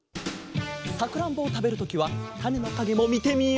さくらんぼをたべるときはたねのかげもみてみよう！